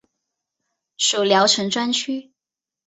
属聊城专区。